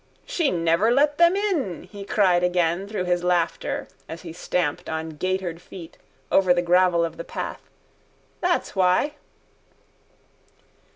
—She never let them in, he cried again through his laughter as he stamped on gaitered feet over the gravel of the path. That's why.